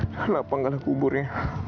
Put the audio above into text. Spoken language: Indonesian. bunyilah penggalah kuburnya